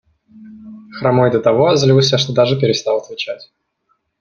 Хромой до того озлился, что даже перестал отвечать.